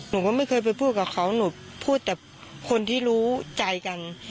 หนูก็ไม่เคยไปพูดกับเขาหนูพูดแต่คนที่รู้ใจกัน